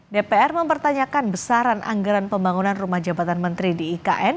dpr mempertanyakan besaran anggaran pembangunan rumah jabatan menteri di ikn